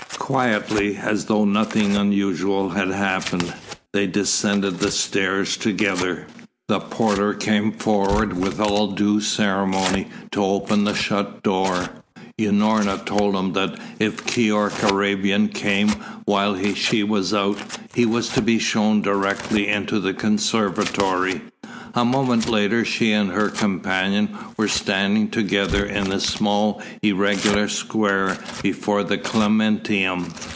Quietly, as though nothing unusual had happened, they descended the stairs together. The porter came forward with all due ceremony, to open the shut door. Unorna told him that if Keyork Arabian came while she was out, he was to be shown directly into the conservatory. A moment later she and her companion were standing together in the small irregular square before the Clementinum.